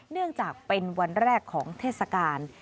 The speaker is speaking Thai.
เนื่องจากเป็นวันแรกของเทศกาล